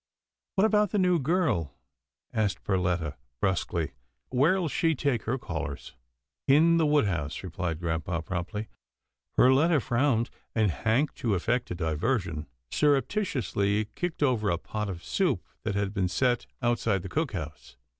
" What about the new girl ?" asked Perletta, brusquely, " where'll she take her callers ?"" In the wood house," replied grampa, promptly. Perletta frowned, and Hank, to effect a diversion, surreptitiously kicked over a pot of soup that had been set outside the cook house.